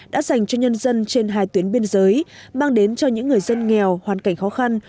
đã dành cho nhân dân trên hai tuyến biên giới mang đến cho những người dân nghèo hoàn cảnh khó khăn